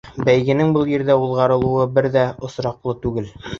Бәйгенең был ерҙә уҙғарылыуы бер ҙә осраҡлы түгел.